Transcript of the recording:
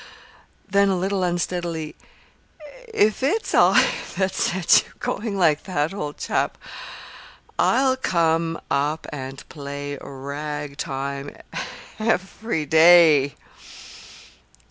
Then, a little unsteadily: "If it's I that set you going like that, old chap, I'll come up and play ragtime every day!"